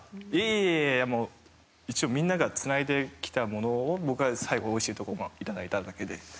いやいやいやみんながつないできたものを僕が最後おいしいところいただいただけで。